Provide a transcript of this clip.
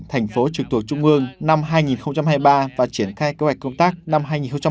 thành phố trực thuộc trung ương năm hai nghìn hai mươi ba và triển khai kế hoạch công tác năm hai nghìn hai mươi bốn